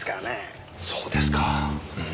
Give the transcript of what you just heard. そうですかぁ。